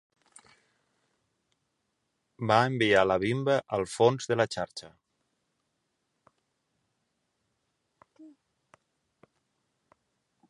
Va enviar la bimba al fons de la xarxa.